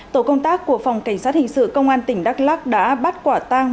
tổ công tác của phòng cảnh sát hình sự công an tỉnh đắk lắc đã bắt quả tang